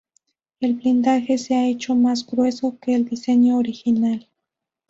El blindaje se ha hecho más grueso que el diseño original.